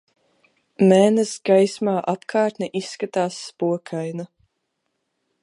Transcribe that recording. Mēness gaismā apkārtne izskatās spokaina.